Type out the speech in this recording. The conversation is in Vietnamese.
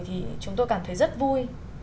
thì chúng tôi cảm thấy rất vui